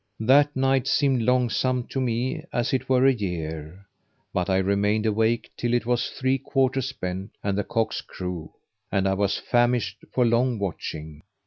That night seemed longsome to me as it were a year: but I remained awake till it was three quarters spent and the cocks crew and I was famished for long watching.